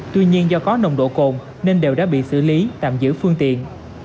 tuy nhiên do có nồng độ cồn nên đều đã bị xử lý tạm giữ phương tiện